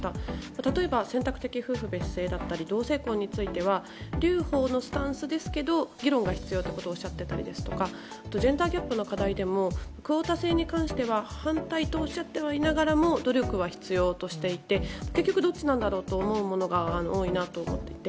例えば選択的夫婦別姓だったり同性婚については留保のスタンスですけども議論が必要だとおっしゃっていたりとかジェンダーギャップの課題でもクオータ制に関しては反対とおっしゃってはいながらも努力は必要としていて結局、どっちなんだろうと思うことが多いなと思っていて。